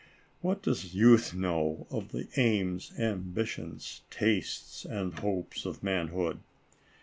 What does youth know of the aims, ambitions, tastes and hopes of manhood